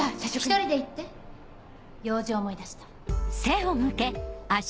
１人で行って用事思い出した。